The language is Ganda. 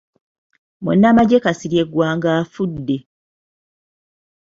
Munnamagye Kasirye Ggwanga afudde.